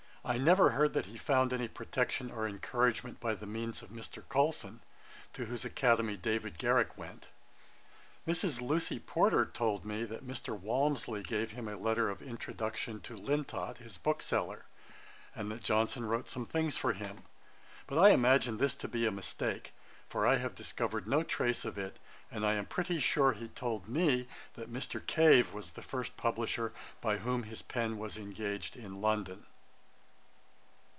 I never heard that he found any protection or encouragement by the means of Mr. Colson, to whose academy David Garrick went. Mrs. Lucy Porter told me, that Mr. Walmsley gave him a letter of introduction to Lintot his bookseller, and that Johnson wrote some things for him; but I imagine this to be a mistake, for I have discovered no trace of it, and I am pretty sure he told me that Mr. Cave was the first publisher by whom his pen was engaged in London.